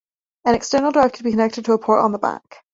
An external drive could be connected to a port on the back.